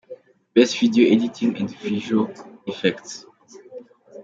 Best Video Editing and Visual Effects Dir.